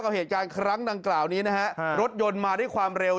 เหตุการณ์ครั้งดังกล่าวนี้นะฮะรถยนต์มาด้วยความเร็ว